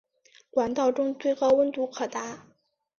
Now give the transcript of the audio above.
管道中最高温度可达。